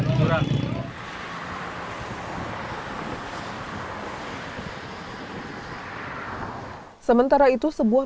sementara itu sebuah perubahan yang berlaku di jalan sumedang